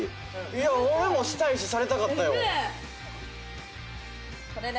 いや俺もしたいしされたかったよ。これで。